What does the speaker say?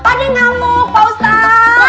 padi nyamuk pak ustaz